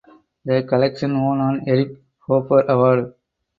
The collection won an Eric Hoffer Award.